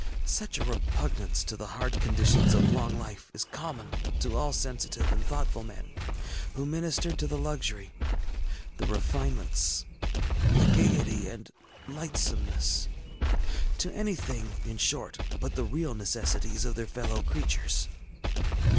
ŌĆ£Such a repugnance to the hard conditions of long life is common to all sensitive and thoughtful men, who minister to the luxury, the refinements, the gayety and lightsomeness, to anything, in short, but the real necessities of their fellow creatures.